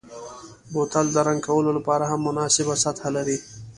بوتل د رنګ کولو لپاره هم مناسبه سطحه لري.